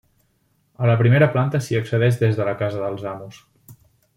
A la primera planta s’hi accedeix des de la casa dels amos.